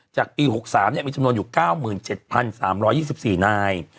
จากปี๖๓มีจำนวนอยู่๙๗๓๒๔นาย